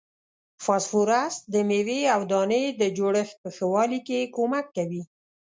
فاسفورس د میوې او دانې د جوړښت په ښه والي کې کومک کوي.